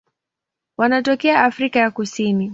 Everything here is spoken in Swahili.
Wanatokea Afrika ya Kusini.